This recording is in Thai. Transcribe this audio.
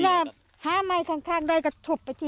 คุณผู้สายรุ่งมโสผีอายุ๔๒ปี